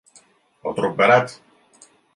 O truc barat.